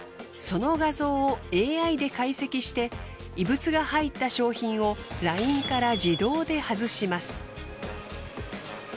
その画像をＡＩで解析して異物が入った商品をラインから自動で外します。